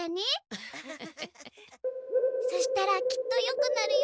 そしたらきっとよくなるよ。